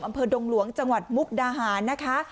ดงหลวงจังหวัดมุกดาหารนะคะ